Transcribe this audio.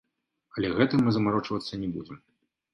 Але гэтым мы замарочвацца не будзем.